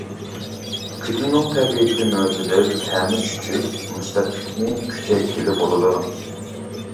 كۈدىنىڭ تەبىئىتى مۆتىدىل، تەمى چۈچۈك، مۇسبەتلىكنى كۈچەيتكىلى بولىدۇ.